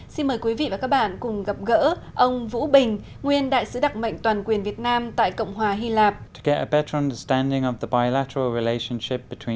xin mời quý vị và các bạn cùng gặp gỡ ông vũ bình nguyên đại sứ đặc mệnh toàn quyền việt nam tại cộng hòa hy lạp